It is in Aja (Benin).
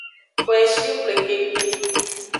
Koeshi xwle keke.